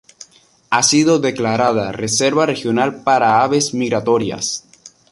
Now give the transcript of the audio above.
Ha sido declarada reserva regional para aves migratorias.